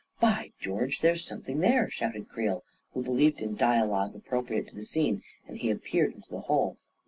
" By George, there's something there !" shouted Creel, who believed in dialogue appropriate to the scene, and he peered into the hole.